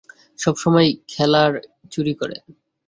সবসময় খেলায় চুরি করে!